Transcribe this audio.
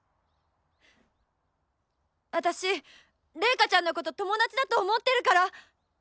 私レイカちゃんのこと友達だと思ってるから！